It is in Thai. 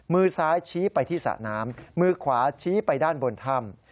มือซ้ายชี้ไปที่สระน้ำมือขวาชี้ไปด้านบนถ้ำ